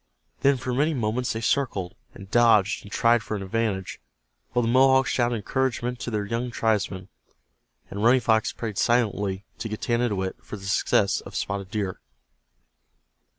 Then for many moments they circled, and dodged, and tried for an advantage, while the Mohawks shouted encouragement to their young tribesman, and Running Fox prayed silently to Getanittowit for the success of Spotted Deer.